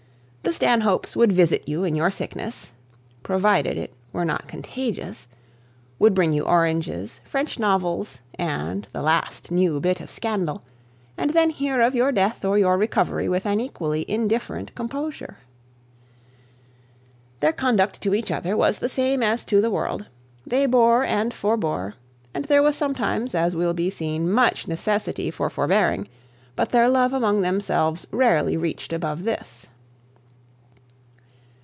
The Stanhopes would visit you in your sickness (provided it were not contagious), would bring you oranges, French novels, and the last new bit of scandal, and then hear of your death or your recovery with an equally indifferent composure. Their conduct to each other was the same as to the world; they bore and forbore: and there was sometimes, as will be seen, much necessity for forbearing: but their love among themselves rarely reached above this.